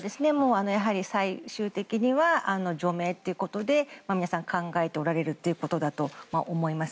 やはりもう最終的には除名ということで皆さん考えておられるということだと思います。